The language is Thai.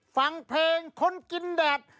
ฟังเพลงคนกินแดด